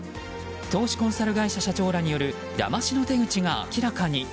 投資コンサル会社社長らによるだましの手口が明らかに。